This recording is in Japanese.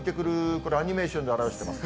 これ、アニメーションで表しています。